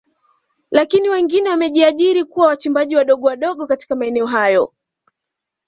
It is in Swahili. Lakini wengine wamejiajiri kuwa wachimbaji wadogo wadogo katika maeneo hayo